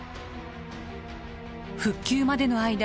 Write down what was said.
復旧までの間